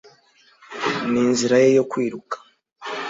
ni inzira ye yo kwiruka.